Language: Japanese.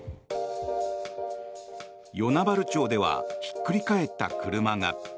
与那原町ではひっくり返った車が。